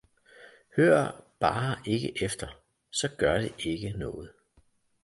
hør bare ikke efter, så gør det ikke noget!